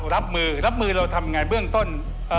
รับมือรับมือเราทำยังไงเบื้องต้น